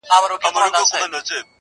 « صدقې لره یې غواړم د د لبرو!.